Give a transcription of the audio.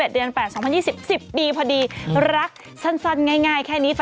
เดือน๘๒๐๒๐๑๐ปีพอดีรักสั้นง่ายแค่นี้